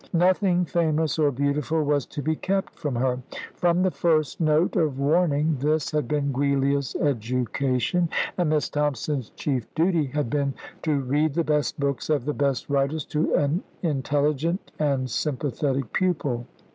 Nothing famous or beautiful was to be kept from her. From the first note of warning this had been Giulia's education; and Miss Thompson's chief duty had been to read the best books of the best writers to an intelligent and sympathetic pupil.